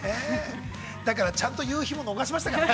◆だからちょっと夕日も逃しましたからね。